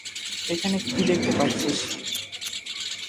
এখানে কি দেখতে পারছিস?